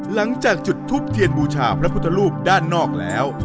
หลังจากจุดทูปเทียนบูชาพระพุทธรูปด้านนอกแล้ว